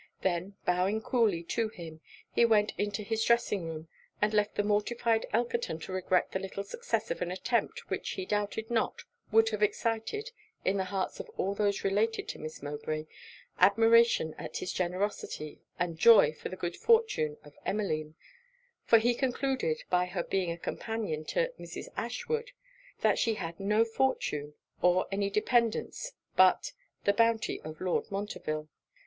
Then bowing coolly to him, he went into his dressing room, and left the mortified Elkerton to regret the little success of an attempt which he doubted not would have excited, in the hearts of all those related to Miss Mowbray, admiration at his generosity, and joy for the good fortune of Emmeline: for he concluded, by her being a companion to Mrs. Ashwood, that she had no fortune, or any dependance but on the bounty of Lord Montreville.